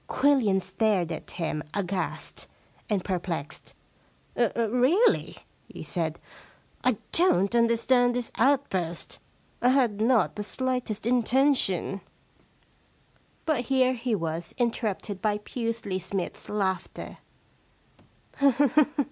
Quillian stared at him aghast and perplexed. * Really,' he said, * I don't understand this outburst. I had not the slightest inten tion ' But here he was interrupted by Pusely Smythe's laughter.